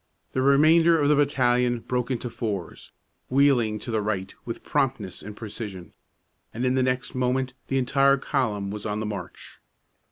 The remainder of the battalion broke into fours, wheeling to the right with promptness and precision, and in the next moment the entire column was on the march.